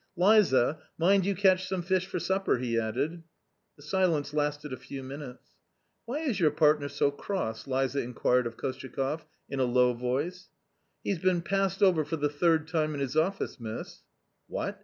" Liza, mind you catch some fish for supper," he added. The silence lasted a few minutes. "Why is your partner so cross?" Liza inquired of Kostyakoff in a low voice. " He's been passed over for the third time in his office, miss." "What?"